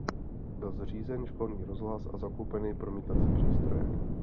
Byl zřízen školní rozhlas a zakoupeny promítací přístroje.